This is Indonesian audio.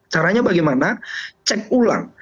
caranya bagaimana cek ulang